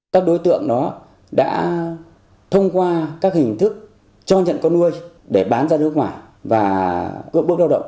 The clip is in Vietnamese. các đối tượng đó đã thông qua các hình thức cho nhận có nuôi để bán ra nước ngoài và cưỡng bức lao động